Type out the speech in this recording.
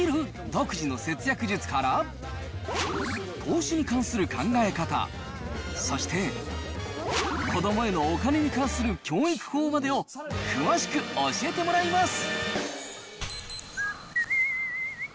独自の節約術から、投資に関する考え方、そして子どもへのお金に関する教育法までを詳しく教えてもらいます。